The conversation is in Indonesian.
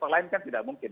yang lain kan tidak mungkin